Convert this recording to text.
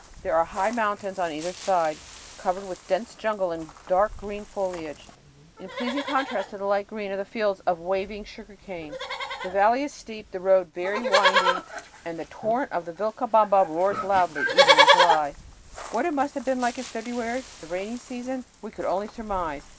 There are high mountains on either side, covered with dense jungle and dark green foliage, in pleasing contrast to the light green of the fields of waving sugar cane. The valley is steep, the road is very winding, and the torrent of the Vilcabamba roars loudly, even in July. What it must be like in February, the rainy season, we could only surmise.